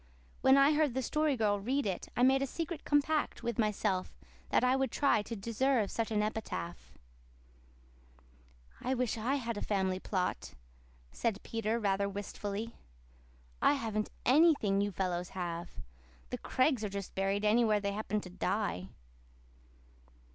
When I heard the Story Girl read it I made a secret compact with myself that I would try to deserve such an epitaph. "I wish I had a family plot," said Peter, rather wistfully. "I haven't ANYTHING you fellows have. The Craigs are just buried anywhere they happen to die."